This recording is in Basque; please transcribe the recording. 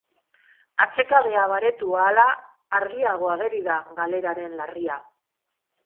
Atsekabea baretu ahala, argiago ageri da galeraren larria.